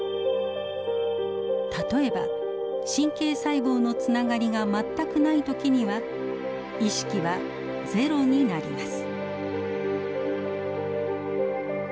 例えば神経細胞のつながりが全くない時には意識はゼロになります。